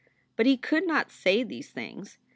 But he could not say these things.